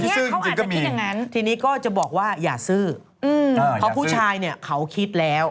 ซื่อจริงมีทีนี้ก็จะบอกว่าอย่าซื่อเพราะผู้ชายเนี่ยเขาคิดแล้ว